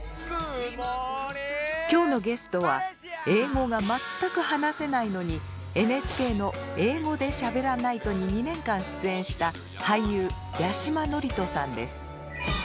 今日のゲストは英語が全く話せないのにＮＨＫの「英語でしゃべらナイト」に２年間出演した俳優八嶋智人さんです。